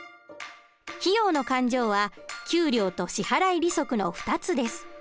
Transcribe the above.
費用の勘定は給料と支払利息の２つです。